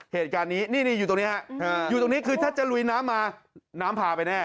เหตุการณ์นี้นี่อยู่ตรงนี้ฮะอยู่ตรงนี้คือถ้าจะลุยน้ำมาน้ำพาไปแน่